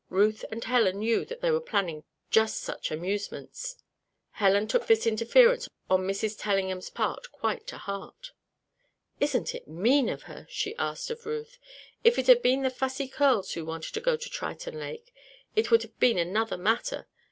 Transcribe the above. Ruth and Helen knew that they were planning just such amusements. Helen took this interference on Mrs. Tellingham's part quite to heart. "Isn't it mean of her?" she asked of Ruth. "If it had been the Fussy Curls who wanted to go to Triton Lake, it would have been another matter.